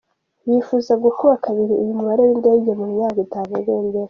Yifuza gukuba kabiri uyu mubare w’indege mu myaka itanu iri imbere.